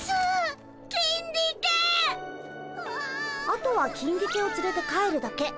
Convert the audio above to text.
あとはキンディケをつれて帰るだけ。